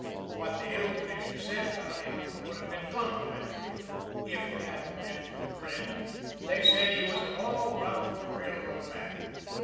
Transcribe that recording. What the Hill Division said about him would have been complimentary if it hadn't been for the grin; they said he was an all round railroad man.